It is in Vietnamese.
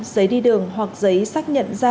giấy đi đường hoặc giấy xác nhận ra